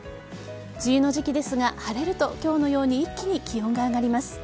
梅雨の時期ですが晴れると今日のように一気に気温が上がります。